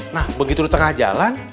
nah begitu di tengah jalan